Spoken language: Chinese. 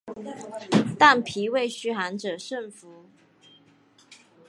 但脾胃虚寒者慎服。